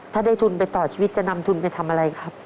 ถ้าได้ทุนไปต่อชีวิตจะนำทุนไปทำอะไรครับ